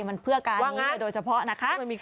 มันเพื่อการนี้โดยเฉพาะนะคะ